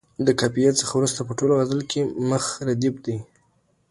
د قافیې څخه وروسته په ټول غزل کې مخ ردیف دی.